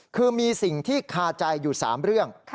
คือมีสิ่งที่คาใจอยู่๓เรื่อง